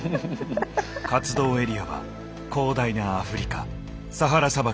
活動エリアは広大なアフリカサハラ砂漠一帯。